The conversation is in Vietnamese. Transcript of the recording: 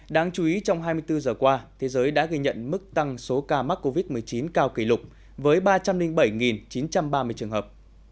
đáng chú ý trong hai mươi bốn giờ qua thế giới đã ghi nhận mức tăng số ca mắc covid một mươi chín cao kỷ lục với ba trăm linh bảy chín trăm ba mươi trường hợp